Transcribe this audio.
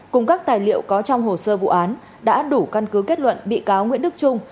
cùng các tài liệu có trong hồ sơ vụ án đã đủ căn cứ kết luận bị cáo nguyễn đức trung